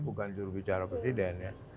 bukan jurubicara presiden ya